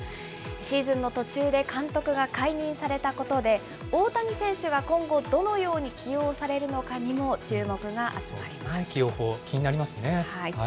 シーズンの途中で監督が解任されたことで、大谷選手が今後、どのように起用されるのかにも注目が集まります。